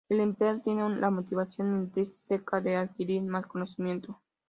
El empleado tiene la motivación intrínseca de adquirir más conocimiento.